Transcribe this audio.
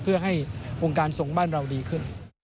เพื่อให้วงการส่งบ้านเราดีขึ้น